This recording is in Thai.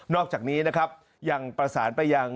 อกจากนี้นะครับยังประสานไปยัง